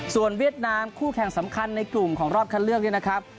ส่วนเวียดนามคู่แข่งสำคัญในกลุ่มของรอบคัดเลือกเนี่ยนะครับ